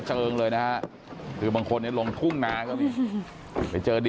ไม่เป็นไรครับพี่ถ่ายรูปไว้หมดแล้วไม่เป็นไรไม่เป็นไร